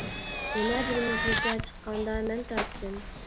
يەنە بىر مۇزىكا چىققاندا مەن تارتتىم.